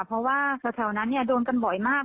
เพราะว่าแถวนั้นโดนกันบ่อยมาก